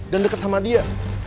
dan deket sama dia